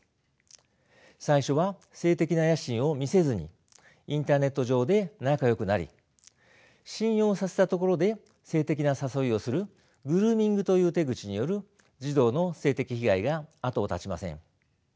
最初は性的な野心を見せずにインターネット上で仲よくなり信用させたところで性的な誘いをするグルーミングという手口による児童の性的被害が後を絶ちません。